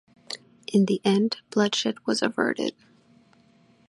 In the end, bloodshed was averted.